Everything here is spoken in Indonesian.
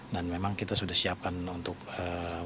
dan memang kita sudah siapkan untuk pertandingan